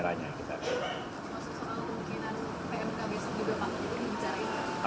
maksudnya mungkin pmk bisa juga panggilin caranya